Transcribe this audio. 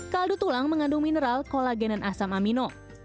kaldu tulang mengandung mineral kolagen dan asam amino